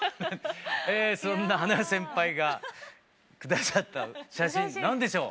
そんな花代先輩が下さった写真何でしょう？